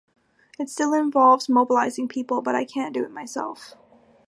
It still involves mobilising people, but I can't do it by myself.